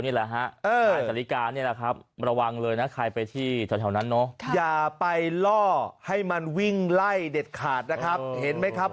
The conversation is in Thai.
มากกว่า๔๐ตัวดีด้วยนะครับ